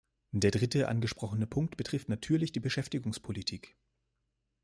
Der dritte angesprochene Punkt betrifft natürlich die Beschäftigungspolitik.